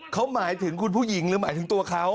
เขาหมายถึงคุณผู้หญิงหรือหมายถึงตัวเขา